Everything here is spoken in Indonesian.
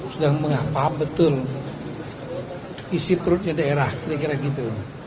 sedang mengapa betul isi perutnya daerah kira kira gitu